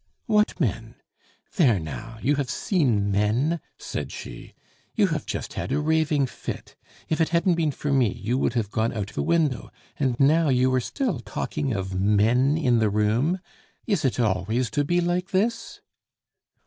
"What men? There, now, you have seen men," said she. "You have just had a raving fit; if it hadn't been for me you would have gone out the window, and now you are still talking of men in the room. Is it always to be like this?"